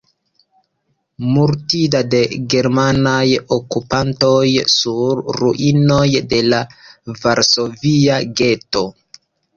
Murdita de germanaj okupantoj sur ruinoj de la Varsovia geto.